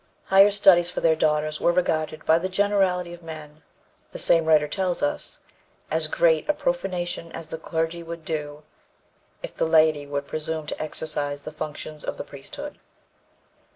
" Higher studies for their daughters were regarded by the generality of men, the same writer tells us, "as great a profanation as the clergy would do if the laity would presume to exercise the functions of the priesthood."